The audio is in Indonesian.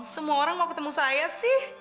semua orang mau ketemu saya sih